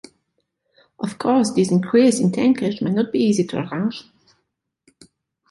Of course this increase in tankage might not be easy to arrange.